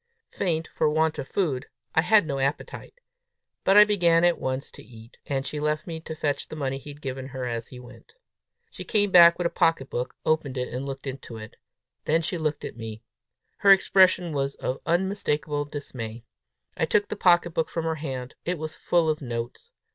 Faint for want of food, I had no appetite. But I began at once to eat, and she left me to fetch the money he had given her as he went. She came back with a pocket book, opened it, and looked into it. Then she looked at me. Her expression was of unmistakable dismay. I took the pocket book from her hand: it was full of notes!